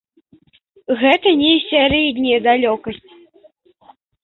Гэта не сярэдняя далёкасць.